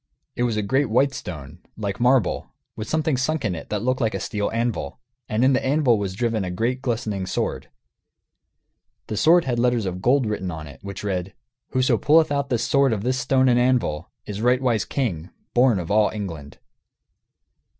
It was a great white stone, like marble, with something sunk in it that looked like a steel anvil; and in the anvil was driven a great glistening sword. The sword had letters of gold written on it, which read: "Whoso pulleth out this sword of this stone and anvil is rightwise king born of all England."